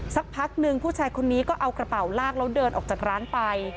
สักพักนึงผู้ชายคนนี้ก็เอากระเป๋าลากแล้วเดินออกจากร้านไป